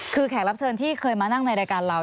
คือแขกรับเชิญที่เคยมานั่งในรายการเรา